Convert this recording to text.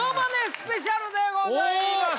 スペシャルでございます。